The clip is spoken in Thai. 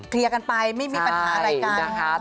เคลียร์กันไปไม่มีปัญหาอะไรกัน